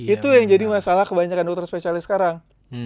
itu yang jadi masalah kebanyakan dokter spesialis sekarang